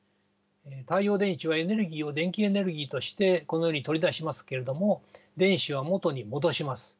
太陽電池はエネルギーを電気エネルギーとしてこのように取り出しますけれども電子は元に戻します。